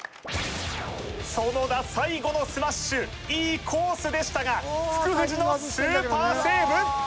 園田最後のスマッシュいいコースでしたが福藤のスーパーセーブ！